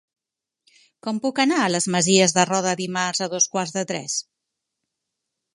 Com puc anar a les Masies de Roda dimarts a dos quarts de tres?